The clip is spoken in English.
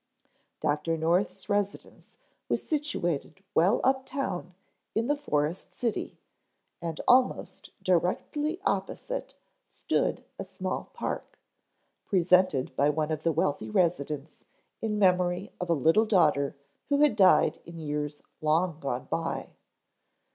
Dr. North's residence was situated well uptown in the Forest City and almost directly opposite stood a small park, presented by one of the wealthy residents in memory of a little daughter who had died in years long gone by.